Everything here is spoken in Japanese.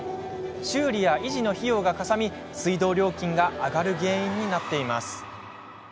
修理や維持の費用がかさみ水道料金が上がる原因になっています。